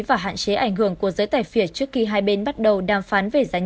và hạn chế ảnh hưởng của giới tài phiệt trước khi hai bên bắt đầu đàm phán về gia nhập liên minh